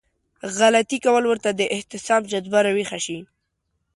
غلطي کول ورته د احتساب جذبه راويښه شي.